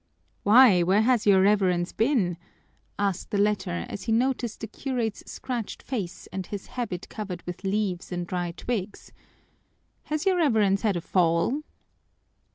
"Why, where has your Reverence been?" asked the latter, as he noticed the curate's scratched face and his habit covered with leaves and dry twigs. "Has your Reverence had a fall?"